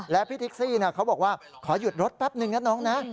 และพี่แท็กซี่เขาบอกว่าขอหยุดรถแป๊บนึงนะน้องนะ